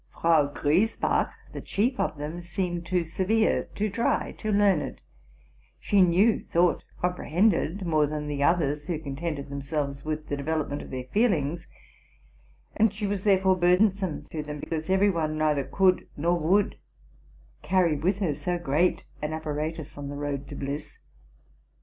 Frau Griesbach, the chief of them, seemed too severe, too dry, too learned: she knew, thought, comprehended, more than the others, who contented themselves with the development of their feelings ; and she was therefore burdensome to them, because every one neither could nor would carry with her so great an apparatus on the road to bliss.